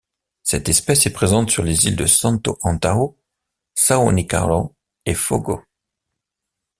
Cette espèce est présente sur les îles de Santo Antão, São Nicolau et Fogo.